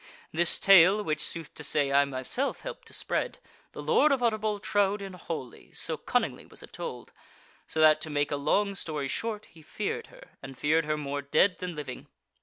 This tale, which, sooth to say, I myself helped to spread, the Lord of Utterbol trowed in wholly, so cunningly was it told; so that, to make a long story short, he feared her, and feared her more dead than living.